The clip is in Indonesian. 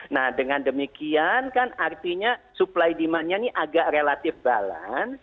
nah dengan demikian kan artinya supply demandnya ini agak relatif balan